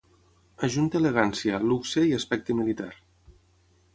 Ajunta elegància, luxe i aspecte militar.